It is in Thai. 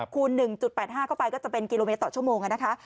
คูณ๑๘๕เข้าไปก็จะเป็นกิโลเมตรต่อชั่วโมงนะคะ